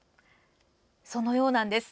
そのようなんです。